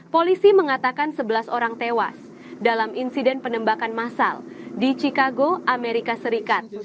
polisi mengatakan sebelas orang tewas dalam insiden penembakan masal di chicago amerika serikat